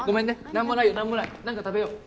何もないよ何もない何か食べよう。